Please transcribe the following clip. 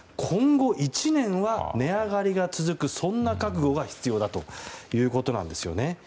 今後１年は値上がりが続くそんな覚悟が必要だということなんですよね。